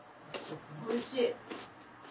おいしい。